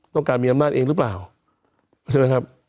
ต้องการมีอำนาจเองหรือเปล่าใช่ไหมครับ